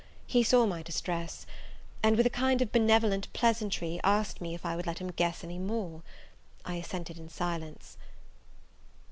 He saw my distress; and with a kind of benevolent pleasantry, asked me if I would let him guess any more? I assented in silence.